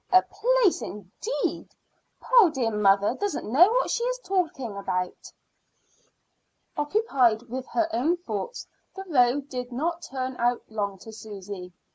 A place indeed! Poor dear mother doesn't know what she is talking about." Occupied with her own thoughts, the road did not turn out long to Susy.